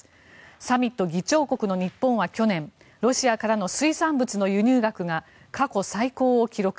サミット議長国の日本は去年ロシアからの水産物の輸入額が過去最高を記録。